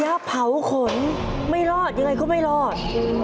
เผาขนไม่รอดยังไงก็ไม่รอด